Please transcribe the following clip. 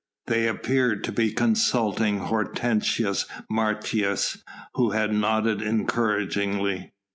They appeared to be consulting Hortensius Martius who had nodded encouragingly.